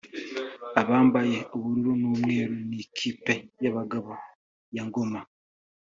Abambaye ubururu n’umweru ni ikipe y’abagabo ya Ngoma